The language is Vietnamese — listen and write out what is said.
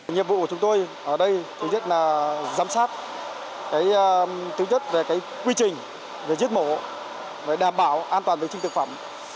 nhiệm vụ của chúng tôi ở đây thứ nhất là giám sát thứ nhất là quy trình giết mổ đảm bảo an toàn vệ sinh thực phẩm